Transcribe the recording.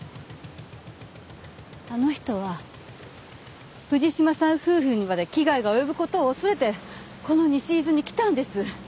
あの人は藤島さん夫婦にまで危害が及ぶ事を恐れてこの西伊豆に来たんです。